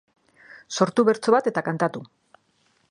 Sortu bertso bat eta kantatu